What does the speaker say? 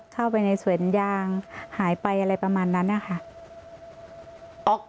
เข้าไปในสวนยางหายไปอะไรประมาณนั้นนะคะ